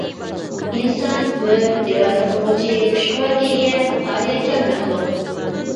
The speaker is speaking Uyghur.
ئىنسان ھۆر، ئىرادە قىلغۇچى، كۈچ-قۇۋۋەتكە ئىگە، پائالىيەتچان مەخلۇق.